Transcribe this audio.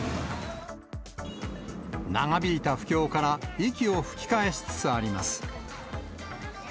長引いた不況から、息を吹き返しつつあります。